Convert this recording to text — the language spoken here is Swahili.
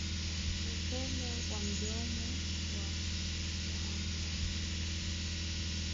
upele wa mdomoni wa kuambukiza